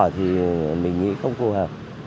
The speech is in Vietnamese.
thì mình nghĩ không phù hợp